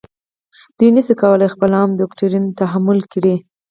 دوی نشي کولای خپل عام دوکتورین تحمیل کړي.